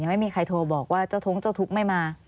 ไม่มีใครโทรบอกว่าเจ้าท้องเจ้าทุกข์ไม่มา